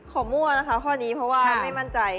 มั่วนะคะข้อนี้เพราะว่าไม่มั่นใจ